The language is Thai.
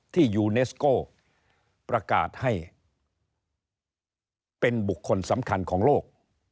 ยูเนสโก้ประกาศให้เป็นบุคคลสำคัญของโลก